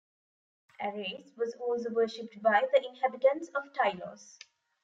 Ares was also worshipped by the inhabitants of Tylos.